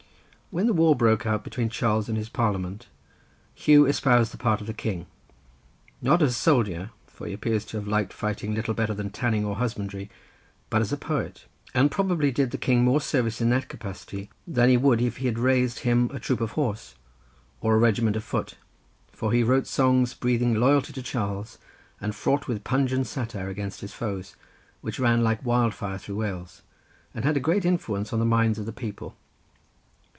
When the war broke out between Charles and his parliament, Huw espoused the part of the king, not as a soldier, for he appears to have liked fighting little better than tanning or husbandry, but as a poet, and probably did the king more service in that capacity, than he would if he had raised him a troop of horse, or a regiment of foot, for he wrote songs breathing loyalty to Charles, and fraught with pungent satire against his foes, which ran like wild fire through Wales, and had a great influence on the minds of the people.